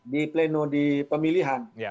di pleno di pemilihan